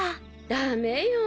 ダメよ